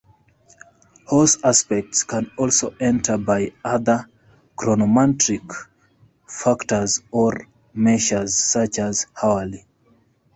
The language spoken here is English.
Horse aspects can also enter by other chronomantic factors or measures, such as hourly.